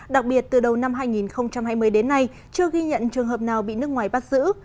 đặc biệt từ đầu năm hai nghìn hai mươi đến nay chưa ghi nhận trường hợp nào bị nước ngoài bắt giữ